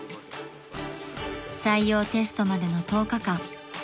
［採用テストまでの１０日間］